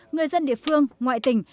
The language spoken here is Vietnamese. người dân địa phương ngoại tỉnh